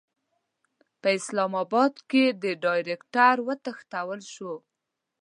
په اسلاماباد کې د ډایرکټر وتښتول شو.